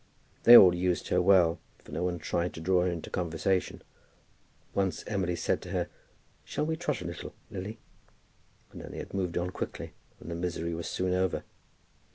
They all used her well, for no one tried to draw her into conversation. Once Emily said to her, "Shall we trot a little, Lily?" And then they had moved on quickly, and the misery was soon over.